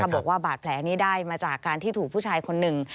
บอกว่าบาดแผลนี้ได้มาจากการที่ถูกผู้ชายคนหนึ่ง